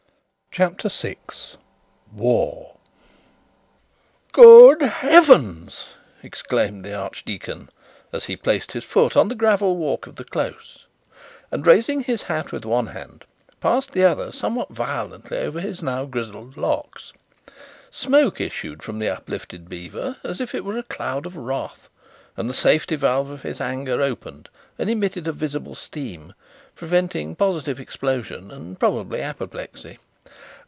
CHAPTER VI WAR 'Good heavens!' exclaimed the archdeacon, as he placed his foot on the gravel walk of the close, and raising his hat with one hand, passed the other somewhat violently over his now grizzled locks; smoke issued from the uplifted beaver as it were a cloud of wrath, and the safety valve of his anger opened, and emitted a visible steam, preventing positive explosion and probably apoplexy.